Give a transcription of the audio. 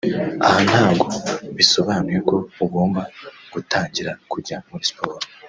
Aha ntago bisobanuye ko ugomba gutangira kujya muri siporo